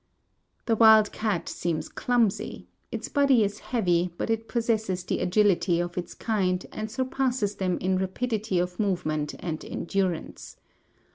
The wild cat seems clumsy; its body is heavy, but it possesses the agility of its kind and surpasses them in rapidity of movement and endurance.